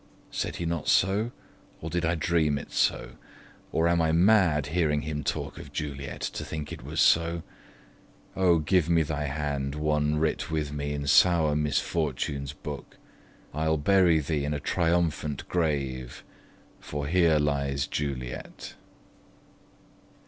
Said he not so? or did I dream it so? Or am I mad, hearing him talk of Juliet, To think it was so? O, give me thy hand, One writ with me in sour misfortune's book! I'll bury thee in a triumphant grave For here lies Juliet.